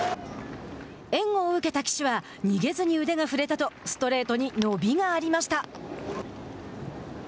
援護を受けた岸は「逃げずに腕が振れた」とストレートに伸びがありました。